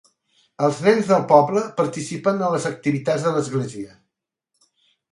Els nens del poble participen en les activitats de l'església.